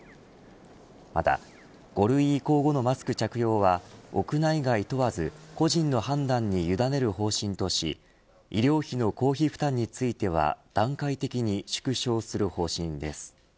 また５類移行後のマスク着用は屋内外問わず、個人の判断にゆだねる方針とし医療費の公費負担については段階的に縮小する方針です。